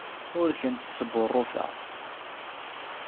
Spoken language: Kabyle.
Ur kent-sbuṛṛufeɣ.